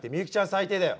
最低だよ。